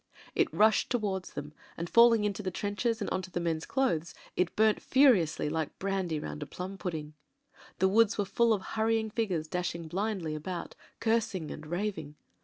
It rushed towards them and, falling into the trenches and on to the men's clothes, burnt furiously like brandy round a plum pudding. The woods were* full of hurrying figures dashing blindly about, cursing and raving.